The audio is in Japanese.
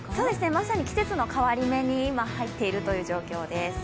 まさに季節の変わり目に入っているという状況です。